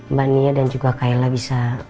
mbak nia dan juga kayla bisa